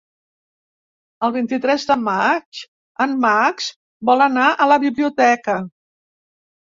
El vint-i-tres de maig en Max vol anar a la biblioteca.